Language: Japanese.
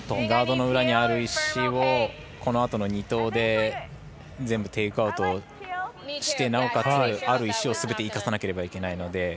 ガードの裏にある石をこのあとの２投で全部テイクアウトしてなおかつ、ある石をすべて生かさなければいけないので。